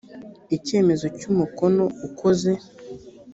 icyemezo cy umukono ukoze